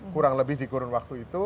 kurang lebih dikurun waktu itu